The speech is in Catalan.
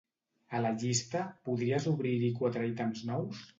A la llista, podries obrir-hi quatre ítems nous?